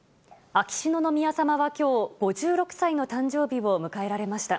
秋篠宮さまはきょう、５６歳の誕生日を迎えられました。